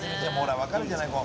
分かるじゃないもう。